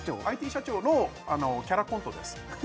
ＩＴ社長のキャラコントです